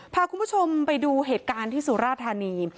พาคุณผู้ชมไปดูเหตุการณ์ที่สุราธานี